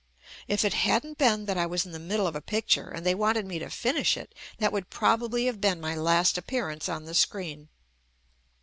If it hadn't been that I was in the middle of a picture and they wanted me to finish it, that would probably have been my last appearance on the screen.